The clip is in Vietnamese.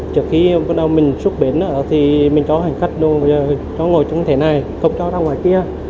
trước khi mình xuất bến mình cho hành khách luôn cho ngồi trong thế này không cho ra ngoài kia